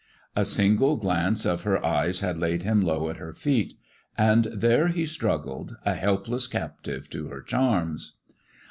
A single glance of her eyes had laid him low at her feet, and there he struggled a helpless captive to her charms.